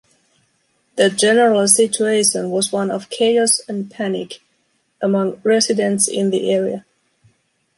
The general situation was one of chaos and panic among residents in the area.